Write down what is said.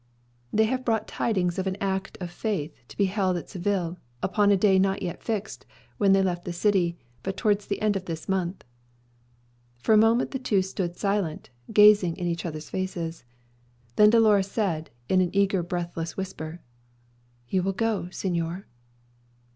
"They have brought tidings of a great Act of Faith, to be held at Seville, upon a day not yet fixed when they left the city, but towards the end of this month." For a moment the two stood silent, gazing in each other's faces. Then Dolores said, in an eager breathless whisper, "You will go, señor?"